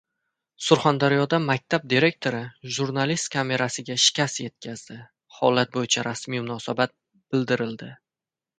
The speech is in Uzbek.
Surxondaryoda maktab direktori jurnalist kamerasiga shikast yetkazdi. Holat bo‘yicha rasmiy munosabat bildirildi